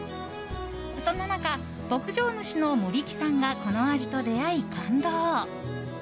そんな中、牧場主の森木さんがこの味と出会い感動。